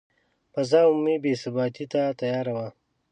فضا عمومي بې ثباتي ته تیاره وه.